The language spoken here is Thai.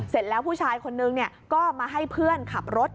เสร็จแล้วผู้ชายคนนึงก็มาให้เพื่อนขับรถ